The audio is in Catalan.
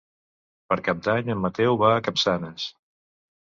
Per Cap d'Any en Mateu va a Capçanes.